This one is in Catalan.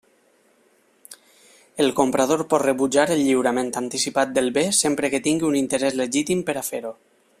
El comprador pot rebutjar el lliurament anticipat del bé sempre que tingui un interès legítim per a fer-ho.